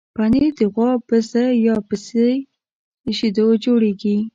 پنېر د غوا، بزه یا پسې له شیدو جوړېږي.